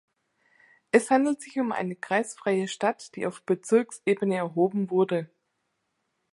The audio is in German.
Es handelt sich um eine kreisfreie Stadt, die auf Bezirksebene erhoben wurde.